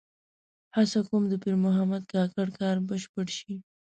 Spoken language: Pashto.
هڅه کوم د پیر محمد کاکړ کار بشپړ شي.